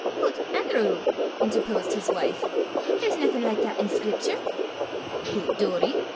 "Hoot, Anerew!" interposed his wife, "there's naething like that i' scriptur!" "Hoot, Doory!"